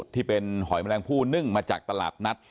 ที่เป็นหอยแมลงผู้นึ่งมาจากตลาดนัด